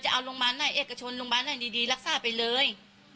เอาโรงพยาบาลไหนเอกชนโรงพยาบาลไหนดีรักษาไปเลย